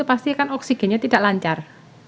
pasti kan oksigennya tidak lancar